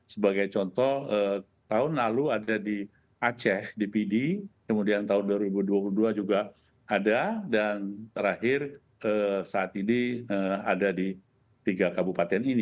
sebagai contoh tahun lalu ada di aceh di pidi kemudian tahun dua ribu dua puluh dua juga ada dan terakhir saat ini ada di tiga kabupaten ini